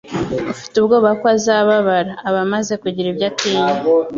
Ufite ubwoba ko azababara, aba amaze kugira ibyo atinya.”